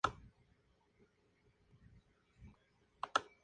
Es una de las primeras obras del modernismo valenciano en la ciudad.